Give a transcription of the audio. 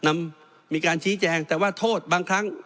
มีการชี้แจงแต่ว่าโทษบางครั้ง